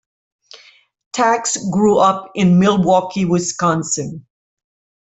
Tax grew up in Milwaukee, Wisconsin.